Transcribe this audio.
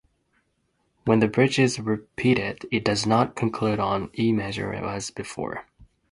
When the bridge is repeated, it does not conclude on E major as before.